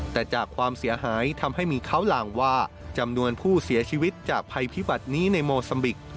แต่จากความเสียหายทำให้มีเขาหล่างว่าจำนวนผู้เสียชีวิตจากภัยพิบัตินี้ในโมซัมบิก